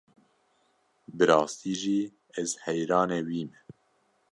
Bi rastî jî ez heyranê wî me.